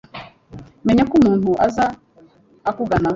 menya ko umuntu aza akugana